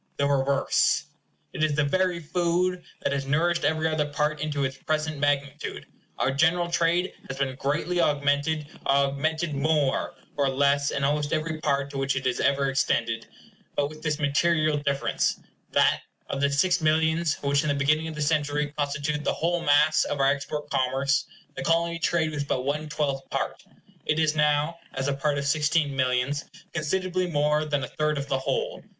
The reverse. It is the very food that has nourished every other part into its present magnitude. Our general trade has been greatly augmented, and augmented more or less in almost every part to which it ever extended; but with this material difference, that of the six millions which in the beginning of the century constituted the whole mass of our export commerce, the Colony trade was but one twelfth part, it is now (as a part of sixteen millions) considerably more than a third of the whole.